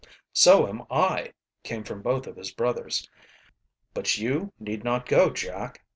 "So am I," came from both of his brothers. "But you need not go Jack."